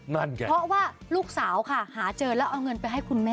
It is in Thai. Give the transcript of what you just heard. นั่นไงเพราะว่าลูกสาวค่ะหาเจอแล้วเอาเงินไปให้คุณแม่